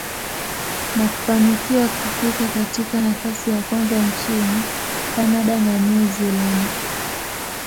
na kufanikiwa kufika katika nafasi ya kwanza nchini Canada na New Zealand.